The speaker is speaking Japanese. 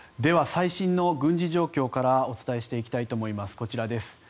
最新の軍事状況からお伝えしていきたいと思います。